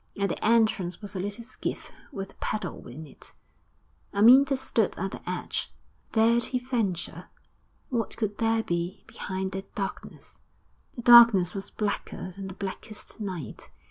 At the entrance was a little skiff with a paddle in it. Amyntas stood at the edge. Dared he venture? What could there be behind that darkness? The darkness was blacker than the blackest night.